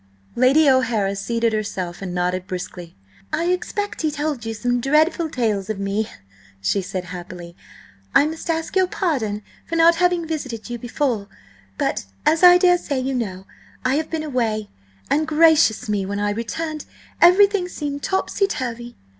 Lady O'Hara seated herself and nodded briskly. "I expect he told you some dreadful tales of me," she said happily. "I must ask your pardon for not having visited you before, but, as I daresay you know, I have been away, and, gracious me, when I returned everything seemed topsy turvy!"